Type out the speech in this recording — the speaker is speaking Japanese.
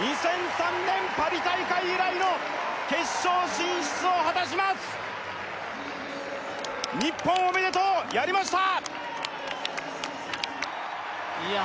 ２００３年パリ大会以来の決勝進出を果たします日本おめでとうやりましたいや